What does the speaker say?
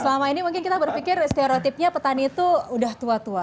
selama ini mungkin kita berpikir stereotipnya petani itu udah tua tua